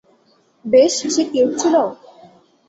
বেশ, সে কিউট ছিল?